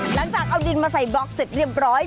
หลังจากเอาดินมาใส่บล็อกเสร็จเรียบร้อย